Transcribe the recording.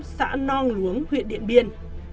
xã non luống huyện điện biên